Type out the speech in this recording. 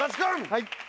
はい。